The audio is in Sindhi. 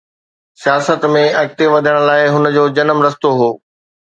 سياست ۾ اڳتي وڌڻ لاءِ هن جو جنم رستو هو.